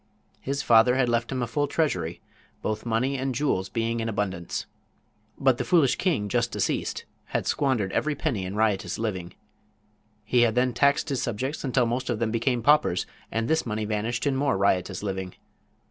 His father had left him a full treasury, both money and jewels being in abundance. But the foolish king just deceased had squandered every penny in riotous living. He had then taxed his subjects until most of them became paupers, and this money vanished in more riotous living.